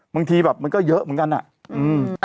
บางทีแบบมันก็เยอะเหมือนกันอ่ะอืม